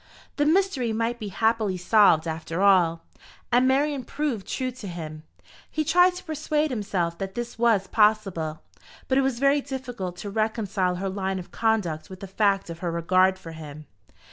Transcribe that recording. The mystery might be happily solved after all, and Marian prove true to him. He tried to persuade himself that this was possible; but it was very difficult to reconcile her line of conduct with the fact of her regard for him.